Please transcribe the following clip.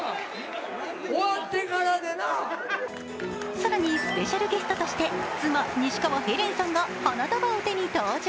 更にスペシャルゲストとして妻・西川ヘレンさんが花束を手に登場。